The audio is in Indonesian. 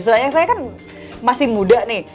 istilahnya saya kan masih muda nih